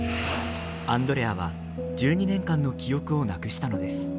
アンドレアは１２年間の記憶をなくしたのです。